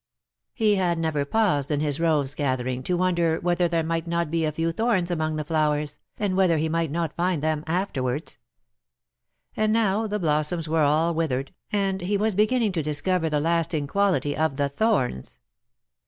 He had never paused in his rose gathering to wonder whether there might not be a few thorns among the flowers^ and whether he might not find them — afterwards. And now the blossoms were all withered^, and he was beginning to discover the lasting quality of the thorns.